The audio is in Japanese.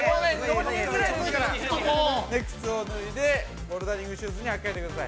◆靴を脱いでボルダリングシューズに履きかえてください。